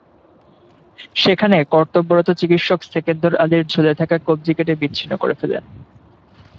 সেখানে কর্তব্যরত চিকিৎসক সেকেন্দর আলীর ঝুলে থাকা কব্জি কেটে বিচ্ছিন্ন করে ফেলেন।